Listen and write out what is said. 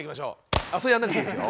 それやんなくていいですよ。